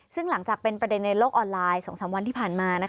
ซึ่งหลังจากเป็นประเด็นในโลกออนไลน์๒๓วันที่ผ่านมา